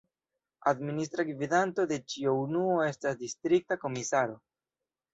Administra gvidanto de ĉiu unuo estas distrikta komisaro.